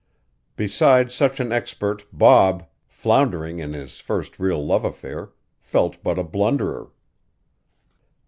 Beside such an expert Bob, floundering in his first real love affair, felt but a blunderer.